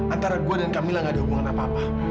antara gue dan kamilah gak ada hubungan apa apa